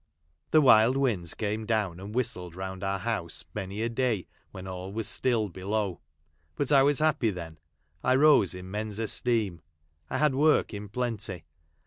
The wild winds came down, and whistled round our house many a day when all was still below. But I was happy then. I rose in men's esteem. I had work in plenty.